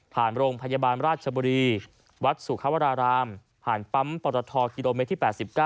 โรงพยาบาลราชบุรีวัดสุขวรารามผ่านปั๊มปรทกิโลเมตรที่๘๙